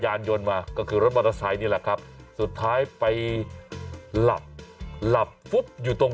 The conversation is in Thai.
ยนต์มาก็คือรถมอเตอร์ไซค์นี่แหละครับสุดท้ายไปหลับหลับฟุบอยู่ตรง